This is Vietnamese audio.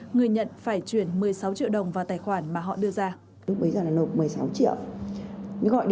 người nhận phải chuyển một mươi sáu triệu đồng vào tài khoản mà họ đưa ra